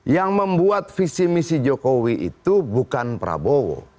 yang membuat visi misi jokowi itu bukan prabowo